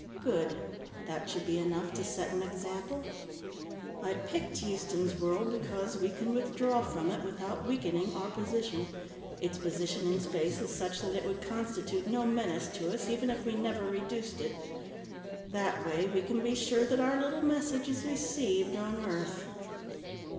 "Good. That should be enough to set an example. I picked Houston's World because we can withdraw from it without weakening our position; its position in space is such that it would constitute no menace to us even if we never reduced it. That way, we can be sure that our little message is received on Earth."